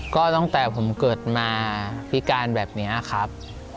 ก็ตั้งแต่ผมเกิดมาพิการแบบนี้ครับ